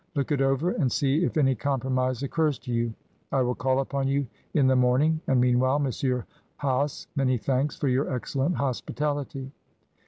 Look it over, and see if any compromise occurs to you. I will call upon you in the morn ing, and, meanwhile, Monsieur Hase, many thanks for your excellent hospitality."